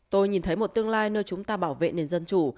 tôi nhìn thấy một tương lai nơi chúng ta bảo vệ nền dân chủ